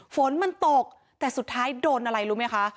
ฝนมันตกแต่สุดท้ายโดนอะไรรู้ไหมคะ